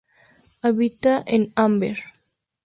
Habita en Amber.